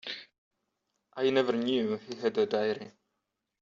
I never knew he had a diary.